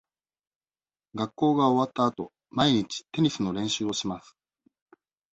学校が終わったあと、毎日テニスの練習をします。